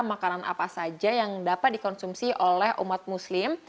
makanan apa saja yang dapat dikonsumsi oleh umat muslim